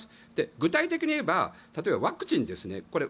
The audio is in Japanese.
具体的に言えば例えばワクチンですね。